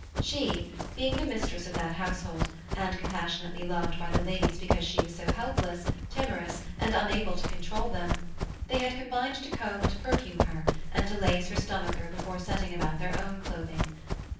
She, being the mistress of that household, and compassionately loved by the ladies because she was so helpless, timorous, and unable to control them, they had combined to comb and perfume her and to lace her stomacher before setting about their own clothing.